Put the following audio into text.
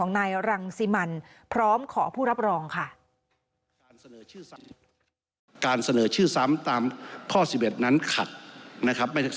นั้นขัดนะครับ